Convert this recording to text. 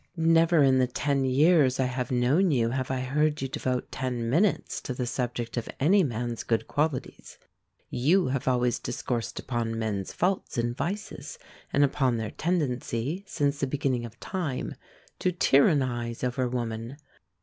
Never in the ten years I have known you have I heard you devote ten minutes to the subject of any man's good qualities. You always have discoursed upon men's faults and vices, and upon their tendency, since the beginning of time, to tyrannize over woman.